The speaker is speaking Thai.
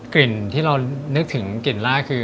กลิ่นที่เรานึกถึงกลิ่นแรกคือ